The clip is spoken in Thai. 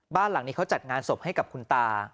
บ้านหลังนี้เขาจัดงานศพให้กับคุณตา